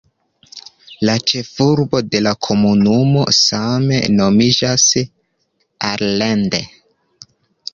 La ĉefurbo de la komunumo same nomiĝas "Allende".